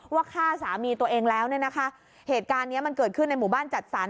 ฆ่าสามีตัวเองแล้วเนี่ยนะคะเหตุการณ์เนี้ยมันเกิดขึ้นในหมู่บ้านจัดสรร